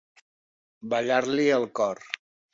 Ballar-li el cor.